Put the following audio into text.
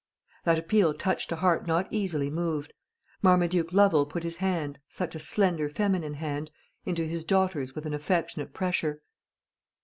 That appeal touched a heart not easily moved. Marmaduke Lovel put his hand such a slender feminine hand into his daughter's with an affectionate pressure.